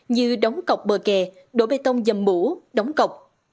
như đóng cọc bờ kè đổ bê tông dầm mũ đóng cọc